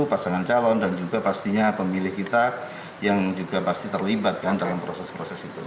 pasangan calon dan juga pastinya pemilih kita yang juga pasti terlibat kan dalam proses proses itu